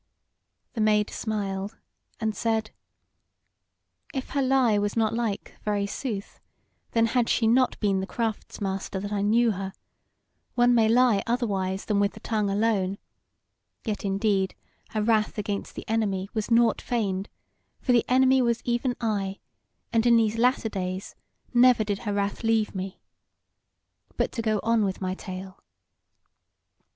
The Maid smiled, and said: "If her lie was not like very sooth, then had she not been the crafts master that I knew her: one may lie otherwise than with the tongue alone: yet indeed her wrath against the Enemy was nought feigned; for the Enemy was even I, and in these latter days never did her wrath leave me. But to go on with my tale."